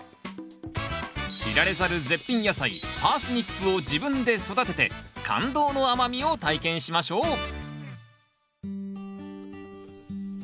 知られざる絶品野菜パースニップを自分で育てて感動の甘みを体験しましょう！